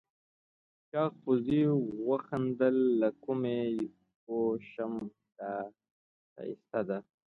چاغ پوځي وخندل له کومه پوه شم دا ښایسته ده؟